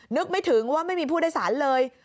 นึกไม่ถึงว่าไม่มีผู้โดยสารเลย